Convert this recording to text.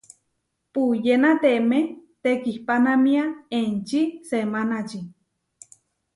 Puyénatemé tekihpánamia enčí semánači.